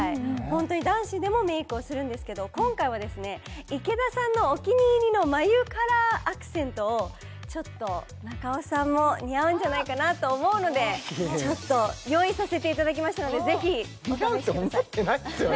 ホントに男子でもメイクをするんですけど今回はですね池田さんのお気に入りの眉カラーアクセントをちょっと中尾さんも似合うんじゃないかなと思うのでちょっと用意させていただきましたのでぜひお試しください似合うって思ってないですよね？